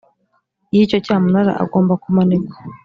y icyo cyamunara agomba kumanikwa